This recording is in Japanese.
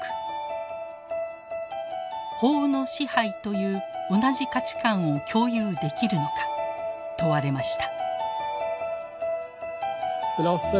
「法の支配」という同じ価値観を共有できるのか問われました。